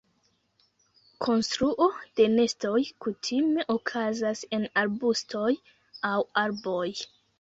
Konstruo de nestoj kutime okazas en arbustoj aŭ arboj.